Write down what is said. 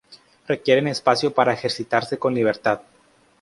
Requieren espacio para ejercitarse con libertad.